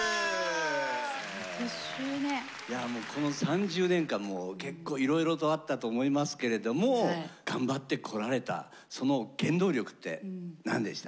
いやもうこの３０年間もう結構いろいろとあったと思いますけれども頑張ってこられたその原動力って何でした？